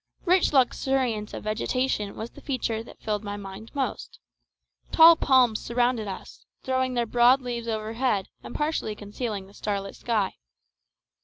Rich luxuriance of vegetation was the feature that filled my mind most. Tall palms surrounded us, throwing their broad leaves overhead and partially concealing the starlit sky.